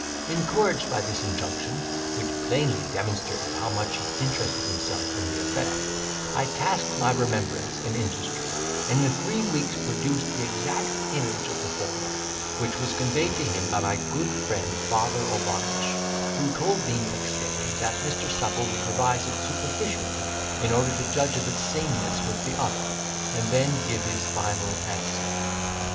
Encouraged by this injunction, which plainly demonstrated how much he interested himself in the affair, I tasked my remembrance and industry, and in three weeks produced the exact image of the former, which was conveyed to him by my good friend Father O'Varnish, who told me next day, that Mr. Supple would revise it superficially, in order to judge of its sameness with the other, and then give his final answer.